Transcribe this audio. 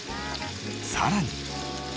さらに。